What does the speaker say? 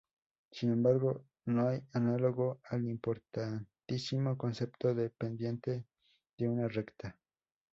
Sin embargo no hay análogo al importantísimo concepto de pendiente de una recta.